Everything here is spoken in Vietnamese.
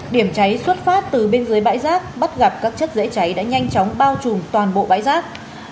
điểm cháy xuất phát từ bên dưới bãi rác bắt gặp các chất dễ cháy đã nhanh chóng bao trùm toàn bộ bãi rác